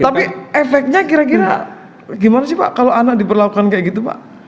tapi efeknya kira kira gimana sih pak kalau anak diperlakukan kayak gitu pak